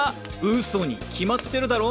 嘘に決まってるだろ。